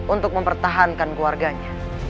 untuk mempertahankan keluarganya